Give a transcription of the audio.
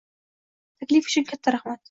— Taklif uchun katta rahmat.